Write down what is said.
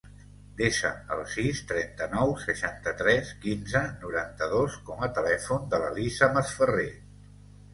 Desa el sis, trenta-nou, seixanta-tres, quinze, noranta-dos com a telèfon de l'Elisa Masferrer.